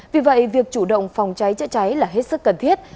vì vậy việc chủ động phòng cháy chữa cháy là hết sức cần thiết